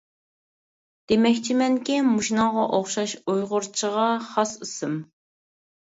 دېمەكچىمەنكى مۇشۇنىڭغا ئوخشاش ئۇيغۇرچىغا خاس ئىسىم.